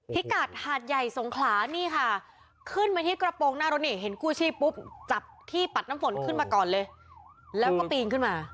พิกัดหาดใหญ่สงขลานี่ค่ะขึ้นมาที่กระโปรงหน้ารถนี่เห็นกู้ชีพปุ๊บจับที่ปัดน้ำฝนขึ้นมาก่อนเลยแล้วก็ปีนขึ้นมา